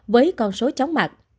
với con số chóng mạc